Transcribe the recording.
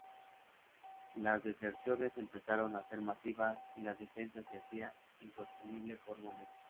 Las deserciones empezaron a ser masivas y la defensa se hacía insostenible por momentos.